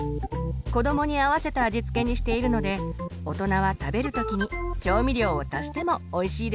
子どもに合わせた味付けにしているので大人は食べる時に調味料を足してもおいしいですよ。